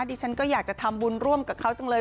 ดิฉันก็อยากจะทำบุญร่วมกับเขาจังเลย